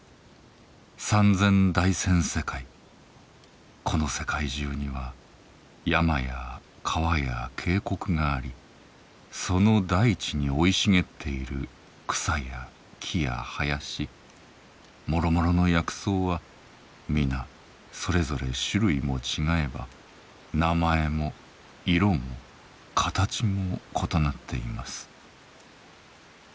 三千大千世界この世界中には山や川や渓谷がありその大地に生い茂っている草や木や林もろもろの薬草は皆それぞれ種類も違えば名前も色も形も異なっています。